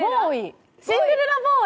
「シンデレラガール」？